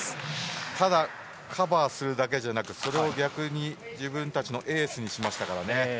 ただカバーするだけじゃなく、それを逆に自分たちのエースにしましたからね。